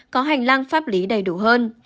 có hành lang pháp lý đầy đủ hơn